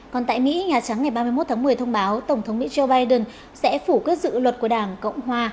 còn tại mỹ nhà trắng ngày ba mươi một tháng một mươi thông báo tổng thống mỹ joe biden sẽ phủ cất dự luật của đảng cộng hòa